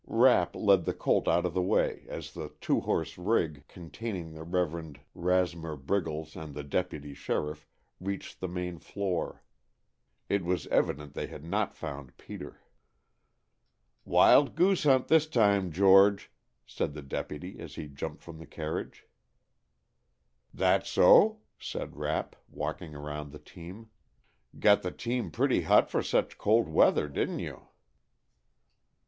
Rapp led the colt out of the way as the two horse rig, containing the Reverend Rasmer Briggles and the deputy sheriff, reached the main floor. It was evident they had not found Peter. "Wild goose hunt this time, George," said the deputy as he jumped from the carriage. "That so?" said Rapp, walking around the team. "Got the team pretty hot for such cold weather, didn't you?"